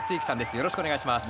よろしくお願いします。